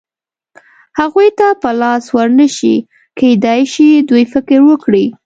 هغوی ته په لاس ور نه شي، کېدای شي دوی فکر وکړي.